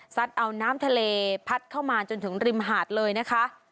เอาน้ำทะเลพัดเข้ามาจนถึงริมหาดเลยนะคะ